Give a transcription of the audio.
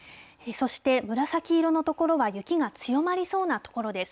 そして、紫色の所は雪が強まりそうな所です。